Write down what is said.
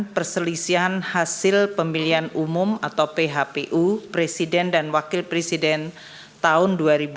perselisihan hasil pemilihan umum atau phpu presiden dan wakil presiden tahun dua ribu dua puluh